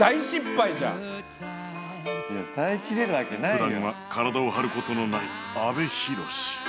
普段は体を張ることのない阿部寛